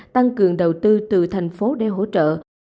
tăng cường đầu tư từ thành phố để hỗ trợ